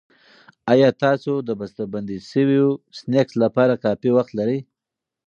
ایا تاسو د بستهبندي شويو سنکس لپاره کافي وخت لرئ؟